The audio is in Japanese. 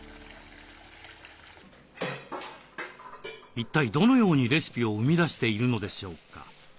一体どのようにレシピを生み出しているのでしょうか？